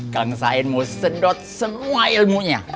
kang sain mau sedot semua ilmunya